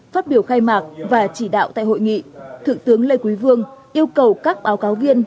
phát biểu khai mạc và chỉ đạo tại hội nghị thượng tướng lê quý vương yêu cầu các báo cáo viên